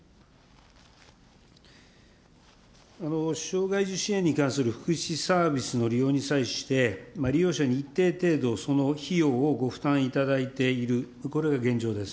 障害児支援に関する福祉サービスの利用に際して、利用者に一定程度、その費用をご負担いただいている、これが現状です。